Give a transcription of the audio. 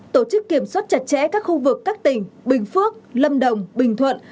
tổ chức kiểm soát chặt chẽ các khu vực các tỉnh bình phước lâm đồng bình thuận